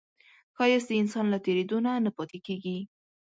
ښایست د انسان له تېرېدو نه نه پاتې کېږي